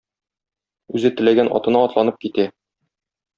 Үзе теләгән атына атланып китә.